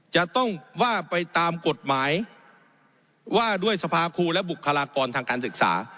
จะต้องว่าไปตามกฎหมายว่าด้วยสภาครูและบุคลากรทางการศึกษา